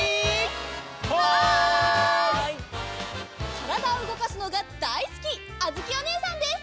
からだをうごかすのがだいすきあづきおねえさんです！